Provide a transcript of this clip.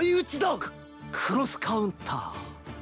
ククロスカウンター。